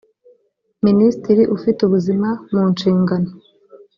minisitiri ufite ubuzima mu nshingano